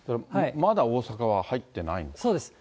まだ大阪は入ってないんですか。